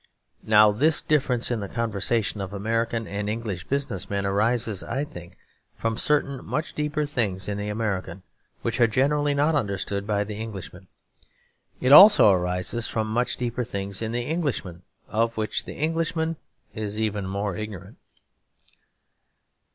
Now this difference in the conversation of American and English business men arises, I think, from certain much deeper things in the American which are generally not understood by the Englishman. It also arises from much deeper things in the Englishman, of which the Englishman is even more ignorant.